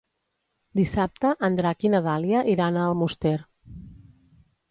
Dissabte en Drac i na Dàlia iran a Almoster.